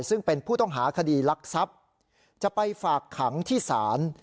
ซึ่งเป็นผู้ต้องหาคดีลักทรัพย์จะไปฝากขังที่ศาล